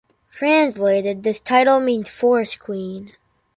Translated, this title means Forest Queen.